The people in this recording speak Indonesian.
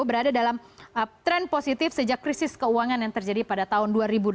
berada dalam tren positif sejak krisis keuangan yang terjadi pada tahun dua ribu delapan belas